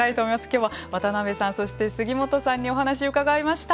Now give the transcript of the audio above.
今日は渡辺さんそして杉本さんにお話を伺いました。